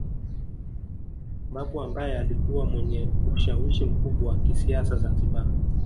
Babu ambaye alikuwa mwenye ushawishi mkubwa wa kisiasa Zanzibar